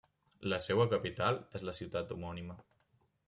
La seua capital és la ciutat homònima.